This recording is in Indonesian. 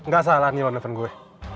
gak salah nih lo nepen gue